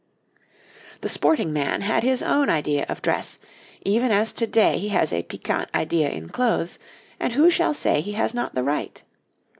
The sporting man had his own idea of dress, even as to day he has a piquant idea in clothes, and who shall say he has not the right?